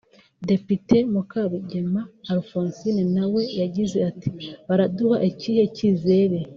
Depite Mukarugema Alphonsine na we yagize ati “ Baraduha ikihe cyizere